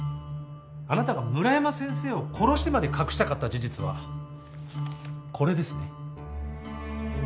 あなたが村山先生を殺してまで隠したかった事実はこれですね？